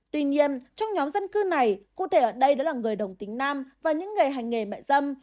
tuy nhiên trong nhóm dân cư này cụ thể ở đây đã là người đồng tính nam và những nghề hành nghề mại dâm